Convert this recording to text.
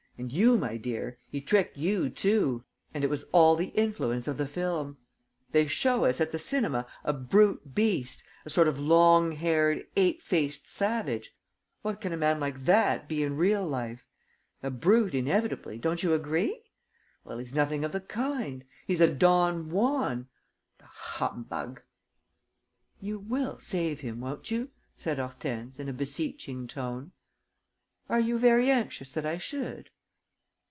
And you, my dear, he tricked you too! And it was all the influence of the film. They show us, at the cinema, a brute beast, a sort of long haired, ape faced savage. What can a man like that be in real life? A brute, inevitably, don't you agree? Well, he's nothing of the kind; he's a Don Juan! The humbug!" "You will save him, won't you?" said Hortense, in a beseeching tone. "Are you very anxious that I should?"